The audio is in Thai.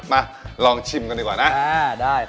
มาลองชิมกันดีกว่านะอ่าได้ครับ